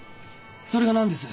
それが何です？